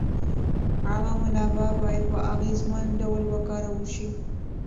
عامه منابع باید په اغېزمن ډول وکارول شي.